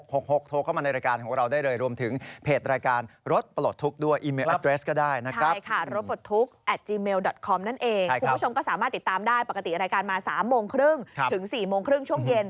ปกติรายการมา๓โมงครึ่งถึง๔โมงครึ่งช่วงเย็น